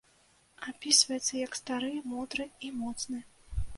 Апісваецца як стары, мудры і моцны.